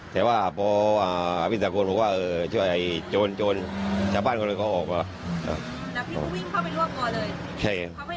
แต่พี่ศักดริย์เพื่อช่วยโจรชาวบ้านก็เลยเขาออกมา